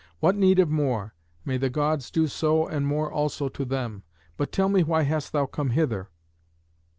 What need of more? May the Gods do so and more also to them. But tell me why hast thou come hither?"